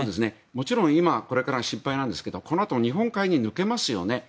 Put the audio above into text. もちろんこれからが心配ですがこのあと日本海に抜けますよね。